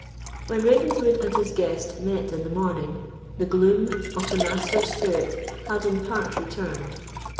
When Ravenswood and his guest met in the morning, the gloom of the Master's spirit had in part returned.